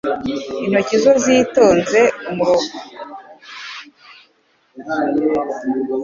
Intozi iyo zitonze umurongo mu nzira, zitwa mugongo –utarengwa, bakirinda kuzirenga